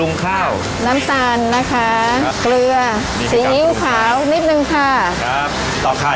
ปรุงข้าวน้ำตาลนะคะครับเกลือสีอิ้งขาวนิดหนึ่งค่ะครับ